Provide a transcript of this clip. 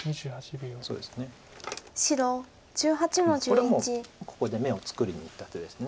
これはもうここで眼を作りにいった手です。